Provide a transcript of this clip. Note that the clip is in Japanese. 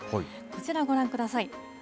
こちらご覧ください。